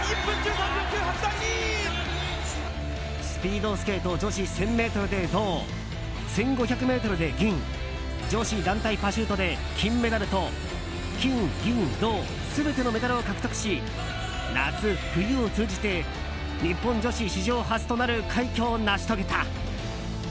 スピードスケート女子１０００ｍで銅１５００ｍで銀女子団体パシュートで金メダルと金、銀、銅全てのメダルを獲得し夏、冬を通じて日本女子史上初となる快挙を成し遂げた。